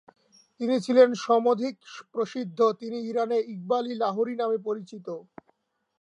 তিনি ছিলেন সমধিক প্রসিদ্ধ; তিনি ইরানে ইকবাল-ই-লাহোরী নামে পরিচিত।